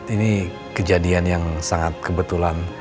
ini kejadian yang sangat kebetulan